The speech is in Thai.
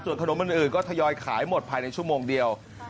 ส่วนขนมอื่นก็ทยอยขายหมดภายในชั่วโมงเดียว